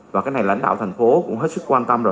và cái này lãnh đạo thành phố cũng hết sức